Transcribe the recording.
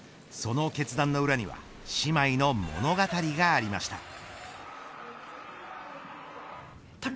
その決断の裏には姉妹の物語がありました。